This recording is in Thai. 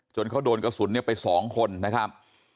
เขาโดนกระสุนไป๒คนนะครับ